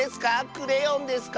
クレヨンですか？